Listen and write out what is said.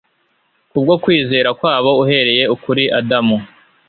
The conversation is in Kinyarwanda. ku bwo kwizera kwabo uhereye kuri adamu